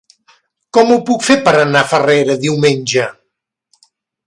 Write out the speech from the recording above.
Com ho puc fer per anar a Farrera diumenge?